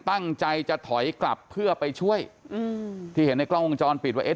ตั้งใจจะถอยกลับเพื่อไปช่วยอืมที่เห็นในกล้องวงจรปิดว่าเอ๊